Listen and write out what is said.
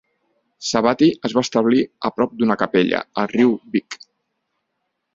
Savvaty es va establir a prop d'una capella, al riu Vyg.